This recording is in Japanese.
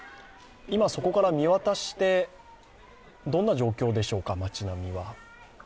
今そこから見渡して、どんな状況でしょうか、町並みは。